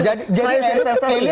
jadi saya sasari